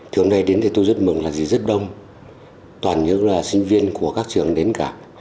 thứ hôm nay đến thì tôi rất mừng là rất đông toàn những sinh viên của các trường đến cả